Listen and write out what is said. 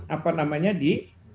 apa namanya di